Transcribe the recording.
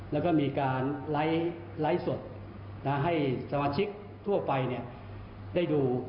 แล้วก็มีการไลฟ์สดให้สมาชิกทั่วไปได้ดู